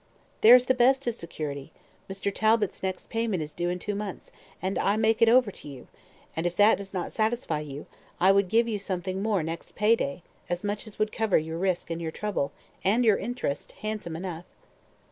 "There's the best of security. Mr. Talbot's next payment is due in two months, and I make it over to you; and if that does not satisfy you, I would give you something more next pay day, as much as would cover your risk and your trouble, and your interest, handsome enough."